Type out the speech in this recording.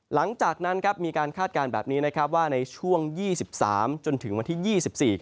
หลังจากนั้นมีการคาดการณ์แบบนี้ว่าในช่วง๒๓จนถึงวันที่๒๔